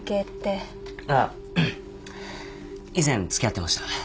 ああ以前付き合ってました。